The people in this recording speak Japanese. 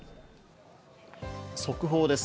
速報です。